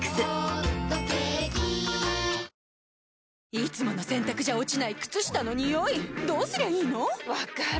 いつもの洗たくじゃ落ちない靴下のニオイどうすりゃいいの⁉分かる。